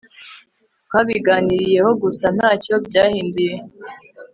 Twabiganiriyeho gusa ntacyo byahinduye